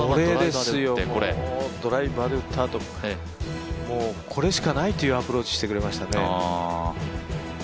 これですよ、ドライバーで打ったあとこれしかないというアプローチしてくれましたね。